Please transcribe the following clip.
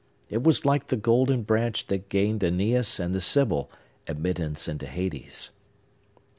It was like the golden branch that gained Aeneas and the Sibyl admittance into Hades.